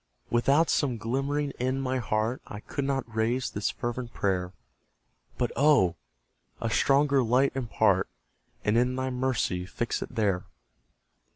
Without some glimmering in my heart, I could not raise this fervent prayer; But, oh! a stronger light impart, And in Thy mercy fix it there.